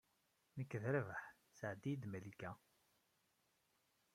Nekk d Rabaḥ. Sɛeddi-iyi-d Malika.